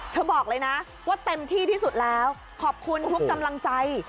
บอกเลยนะว่าเต็มที่ที่สุดแล้วขอบคุณทุกกำลังใจ